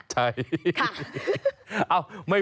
ใช่